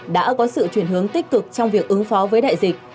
đã có sự chuyển hướng tích cực trong việc ứng phó với đại dịch